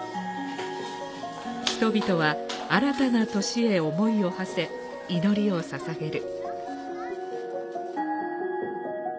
人々は新たな年へ思いを馳せ祈りを捧げる。